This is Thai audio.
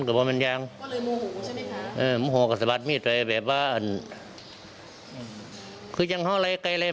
คิดนึงหรอ